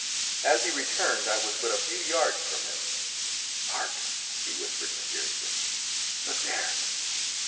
As he returned I was but a few yards from him. "Hark!" he whispered mysteriously. "Look there!"